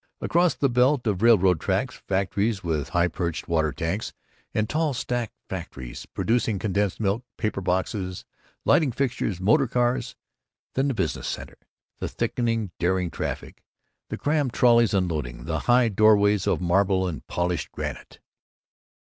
Across the belt of railroad tracks, factories with high perched water tanks and tall stacks factories producing condensed milk, paper boxes, lighting fixtures, motor cars. Then the business center, the thickening darting traffic, the crammed trolleys unloading, and high doorways of marble and polished granite.